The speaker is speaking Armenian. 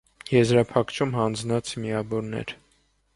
Եզրափակչում հանձնած միավորներ։